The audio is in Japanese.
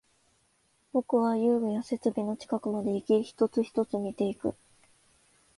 僕は遊具や設備の近くまでいき、一つ、一つ見ていく